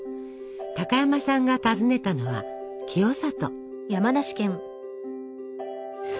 高山さんが訪ねたのは清里。